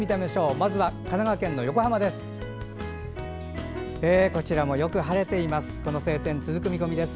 まずは神奈川県の横浜です。